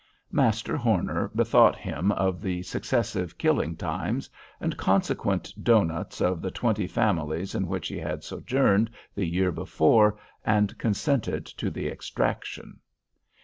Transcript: Master Horner bethought him of the successive "killing times," and consequent doughnuts of the twenty families in which he had sojourned the years before, and consented to the exaction.